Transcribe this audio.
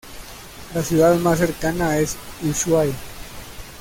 La ciudad más cercana es Ushuaia.